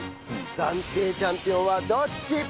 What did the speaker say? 暫定チャンピオンはどっち！？